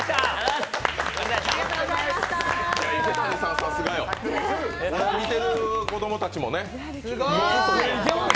池谷さん、さすがよ見てる子供たちも。